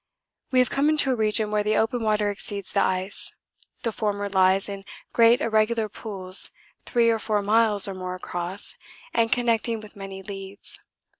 We have come into a region where the open water exceeds the ice; the former lies in great irregular pools 3 or 4 miles or more across and connecting with many leads.